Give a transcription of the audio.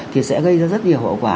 thì sẽ gây ra rất nhiều hậu quả